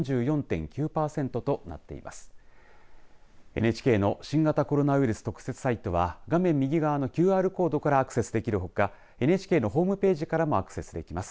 ＮＨＫの新型コロナウイルス特設サイトは画面右側のＱＲコードからアクセスできるほかＮＨＫのホームページからもアクセスできます。